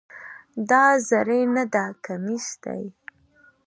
دا زری نده، کمیس ده.